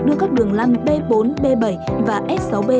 đưa các đường lăng b bốn b bảy và s sáu b